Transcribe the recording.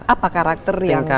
apa karakter yang